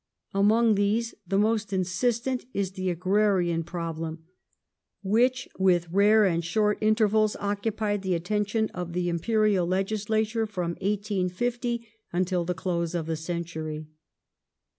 Among these the most insistent is the agrarian problem which, with rare and short intervals, occupied the attention of the Im perial Legislature ft'om 1850 until the close of the century.